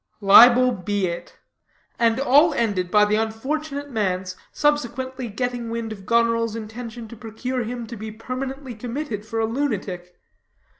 Libel be it. And all ended by the unfortunate man's subsequently getting wind of Goneril's intention to procure him to be permanently committed for a lunatic.